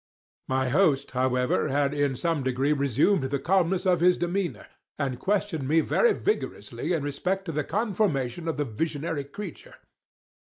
My host, however, had in some degree resumed the calmness of his demeanor, and questioned me very rigorously in respect to the conformation of the visionary creature.